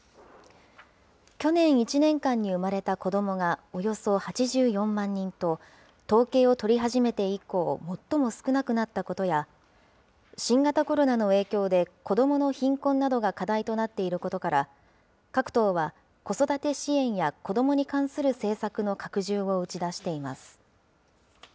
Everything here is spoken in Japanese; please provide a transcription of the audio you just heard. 去年１年間に生まれた子どもがおよそ８４万人と、統計を取り始めて以降、最も少なくなったことや、新型コロナの影響で、子どもの貧困などが課題となっていることから、各党は、子育て支援や子どもに関する政策の拡充を打ち出しています。